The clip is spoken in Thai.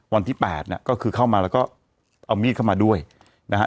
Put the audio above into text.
วันที่๘เนี่ยก็คือเข้ามาแล้วก็เอามีดเข้ามาด้วยนะฮะ